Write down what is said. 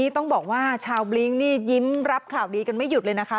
ต้องบอกว่าชาวบลิ้งนี่ยิ้มรับข่าวดีกันไม่หยุดเลยนะคะ